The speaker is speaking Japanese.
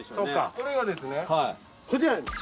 これがですねこちらに。